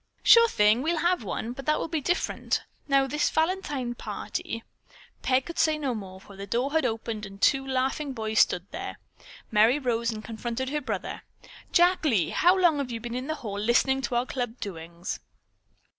"Sure thing, we'll have one, but that will be different. Now, this Valentine party——" Peg could say no more, for the door had opened and two laughing boys stood there. Merry rose and confronted her brother. "Jack Lee, how long have you been out there in the hall listening to our club doings?"